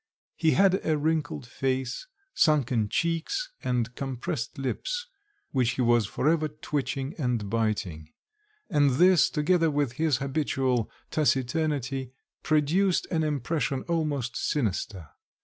He had a wrinkled face, sunken cheeks, and compressed lips, which he was for ever twitching and biting; and this, together with his habitual taciturnity, produced an impression almost sinister.